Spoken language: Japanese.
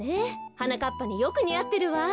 はなかっぱによくにあってるわ。